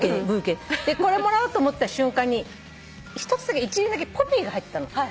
これもらおうと思った瞬間に１輪だけポピーが入ってたの。